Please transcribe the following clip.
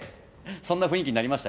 そんな雰囲気になりました？